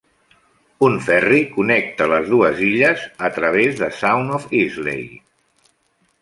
Un ferri connecta les dues illes a través de Sound of Islay.